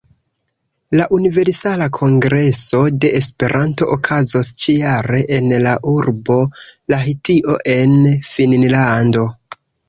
La Universala Kongreso de Esperanto okazos ĉi-jare en la urbo Lahtio en Finnlando.